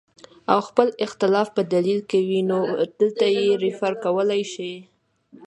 او خپل اختلاف پۀ دليل کوي نو دلته ئې ريفر کولے شئ